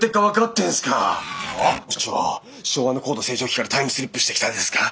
部長昭和の高度成長期からタイムスリップしてきたんですか？